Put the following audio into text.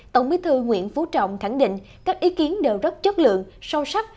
tổng bí thư nguyễn phú trọng khẳng định các ý kiến đều rất chất lượng sâu sắc